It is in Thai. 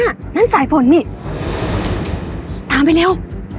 เฮ้ยหัวหน้านั่นสายผลนี่ตามไปเร็ว